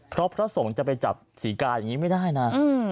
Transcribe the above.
เพราะพระสงฆ์จะไปจับศรีกาอย่างนี้ไม่ได้นะ